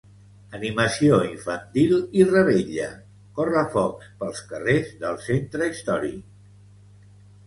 Animació infantil i revetlla, correfocs pels carrers del centre històric.